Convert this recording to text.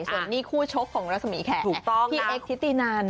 ส่วนนี้คู่ชกของลักษมีแขกพี่เอ็กซ์ที่ตีนั้น